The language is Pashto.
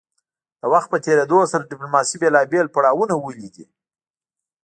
د وخت په تیریدو سره ډیپلوماسي بیلابیل پړاونه وهلي دي